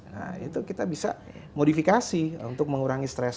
nah itu kita bisa modifikasi untuk mengurangi stres